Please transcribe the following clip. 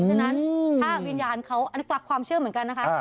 เพราะฉะนั้นถ้าวิญญาณเขาอันดับความเชื่อเหมือนกันนะคะ